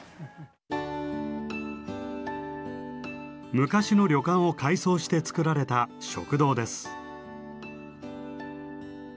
昔の旅館を改装して作られた食堂です。